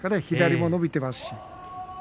左も伸びていますし。